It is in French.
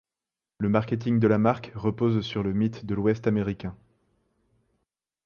Le marketing de la marque repose sur le mythe de l'Ouest américain.